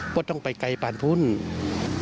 ว่าต้องไปไกลป่านภูมิ